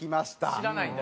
知らないんだ。